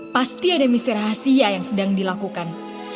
pasti ada misi rahasia yang sedang dilakukan